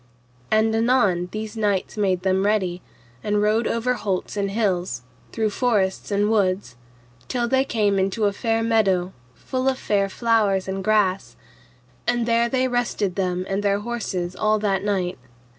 And anon these knights made them ready, and rode over holts and hills, through forests and woods, till they came into a fair meadow full of fair flowers and grass; and there they rested them and their horses all that night.